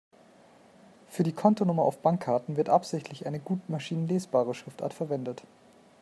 Für die Kontonummer auf Bankkarten wird absichtlich eine gut maschinenlesbare Schriftart verwendet.